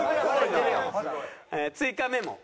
追加メモ。